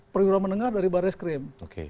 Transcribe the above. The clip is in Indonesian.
periura menengah dari barres krim